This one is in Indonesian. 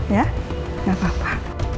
ya gak apa apa